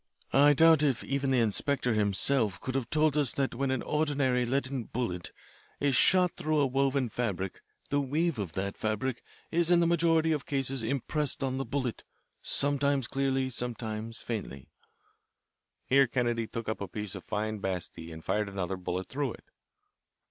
"I doubt if even the inspector himself could have told us that when an ordinary leaden bullet is shot through a woven fabric the weave of that fabric is in the majority of cases impressed on the bullet, sometimes clearly, sometimes faintly." Here Kennedy took up a piece of fine batiste and fired another bullet through it.